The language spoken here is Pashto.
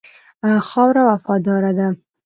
خاوره وفاداره ده.